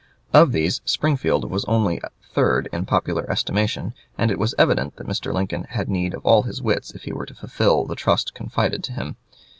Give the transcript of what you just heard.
Of these Springfield was only third in popular estimation, and it was evident that Mr. Lincoln had need of all his wits if he were to fulfill the trust confided to him.